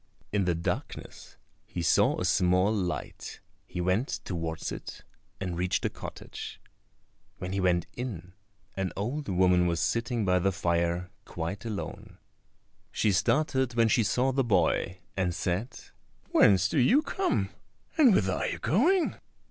In the darkness he saw a small light; he went towards it and reached a cottage. When he went in, an old woman was sitting by the fire quite alone. She started when she saw the boy, and said, "Whence do you come, and whither are you going?"